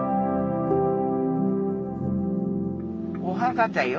お墓だよ